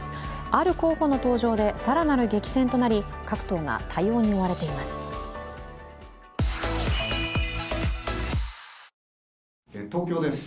ある候補の登場で更なる激戦となり、各党が対応に追われています。